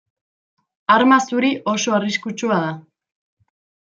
Arma zuri oso arriskutsua da.